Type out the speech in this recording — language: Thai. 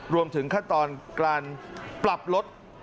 รวมถึงขั้นตอนการปรับลด